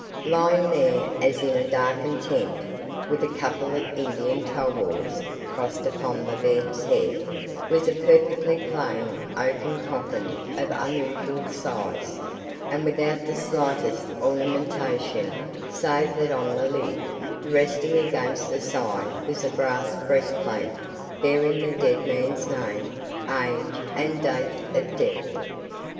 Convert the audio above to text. Lying there as in a darkened tent, with a couple of Indian tulwars crossed upon the bed's head, was a perfectly plain oaken coffin of unusual size, and without the slightest ornamentation save that on the lid, resting against the side, was a brass breastplate bearing the dead man's name, age, and the date of death.